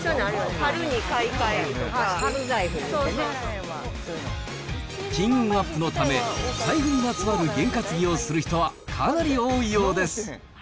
春に買い替え張る金運アップのため、財布にまつわるゲン担ぎをする人はかなり多いようです。